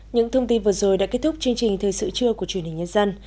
những thông tin vừa rồi đã kết thúc chương trình thời sự trưa của truyền hình nhân dân